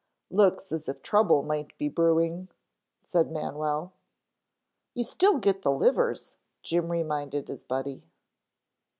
"Looks as if trouble might be brewing," said Manwell. "You still get the livers," Jim reminded his buddy.